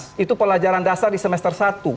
yang diperlukan adalah pelajaran dasar di semester satu